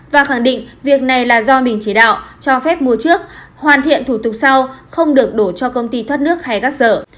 và khẳng định việc này là do mình chỉ đạo cho phép mua trước hoàn thiện thủ tục sau không được đổ cho công ty thoát nước hay các sở